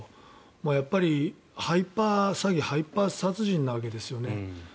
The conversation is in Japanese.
やっぱりハイパー詐欺ハイパー殺人なわけですよね。